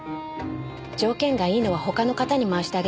条件がいいのは他の方に回してあげてください。